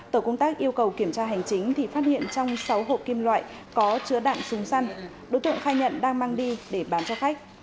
tổ công tác yêu cầu kiểm tra hành chính thì phát hiện trong sáu hộp kim loại có chứa đạn súng săn đối tượng khai nhận đang mang đi để bán cho khách